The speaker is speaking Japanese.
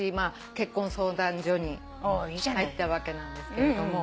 結婚相談所に入ったわけなんですけれども。